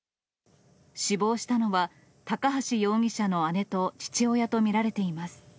死亡したのは高橋容疑者の姉と父親と見られています。